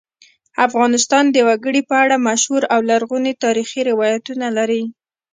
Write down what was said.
افغانستان د وګړي په اړه مشهور او لرغوني تاریخی روایتونه لري.